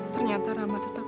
ternyata rama tetap